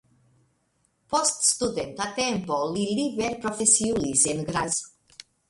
Post studenta tempo li liberprofesiulis en Graz.